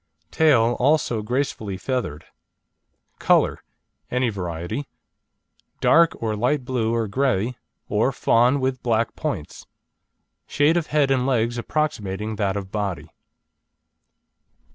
Tail also gracefully feathered. COLOUR (ANY VARIETY) Dark or light blue or grey, or fawn with black points. Shade of head and legs approximating that of body.